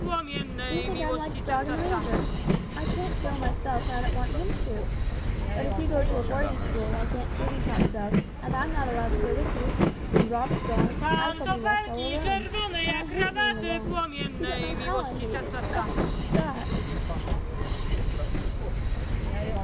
"You think I'm like the dog in the manger? I can't go myself and I don't want him to. But if you go to a boarding school like Aunt Judy talks of, and I'm not allowed to go with you, and Rob is gone, I shall be left all alone; and I hate being alone, you don't know how I hate it I think I should die!"